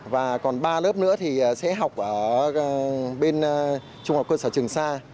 và còn ba lớp nữa thì sẽ học ở bên trung học cơ sở trường sa